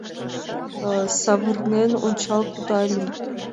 Савырнен ончал кудальым.